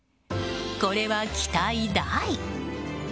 これは期待大。